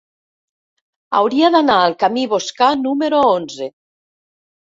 Hauria d'anar al camí Boscà número onze.